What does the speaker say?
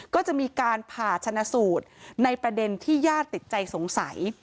ก็จะมีการผ่าชนะสูตรในประเด็นที่ญาติติดใจสงสัย